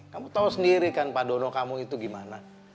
kamu tahu sendiri kan pak dono kamu itu gimana